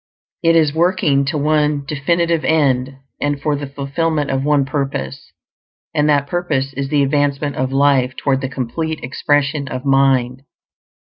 It is working to one definite end, and for the fulfillment of one purpose; and that purpose is the advancement of life toward the complete expression of Mind.